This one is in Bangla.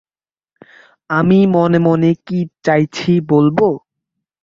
আমি মনে মনে কী চাইছি বলবো?